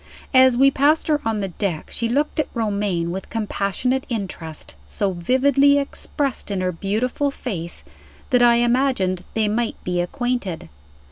As we passed her on the deck she looked at Romayne with compassionate interest so vividly expressed in her beautiful face that I imagined they might be acquainted.